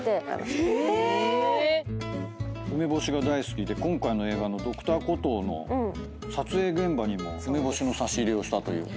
梅干しが大好きで今回の映画の『Ｄｒ．コトー』の撮影現場にも梅干しの差し入れをしたという。